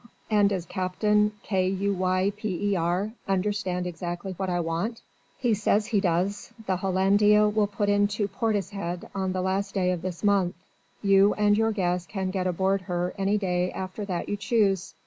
And does Captain K U Y P E R understand exactly what I want?" "He says he does. The Hollandia will put into Portishead on the last day of this month. You and your guests can get aboard her any day after that you choose.